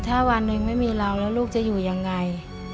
ถ้าวันหนึ่งไม่มีเราแล้วลูกจะอยู่ยังไง